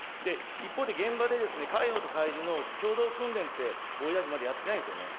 一方で、現場で海保と海自の共同訓練って防衛大臣、まだやってないですよね。